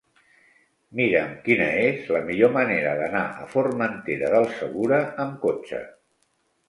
Mira'm quina és la millor manera d'anar a Formentera del Segura amb cotxe.